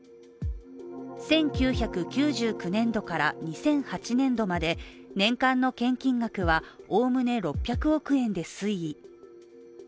１９９９年度から２００８年度まで、年間の献金額はおおむね６００億円で推移。